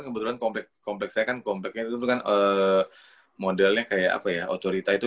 kebetulan kompleks saya kan kompaknya itu kan modelnya kayak apa ya otorita itu